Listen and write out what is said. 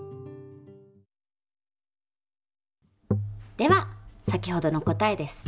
では先ほどの答えです。